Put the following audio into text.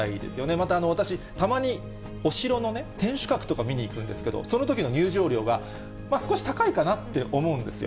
また、私、たまにお城の天守閣とか見に行くんですけど、そのときの入場料が少し高いかなって思うんですよ。